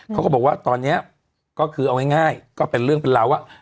เขาก็บอกว่าตอนนี้ก็คือเอาง่ายก็เป็นเรื่องเป็นราวว่า